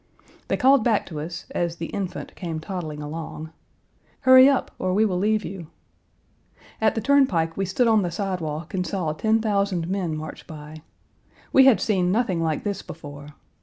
They called back to us, as the Infant came toddling along, "Hurry up or we will leave you." At the turnpike we stood on the sidewalk and saw ten thousand men march by. We had seen nothing like this before.